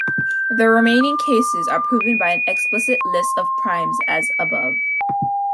The remaining cases are proven by an explicit list of primes, as above.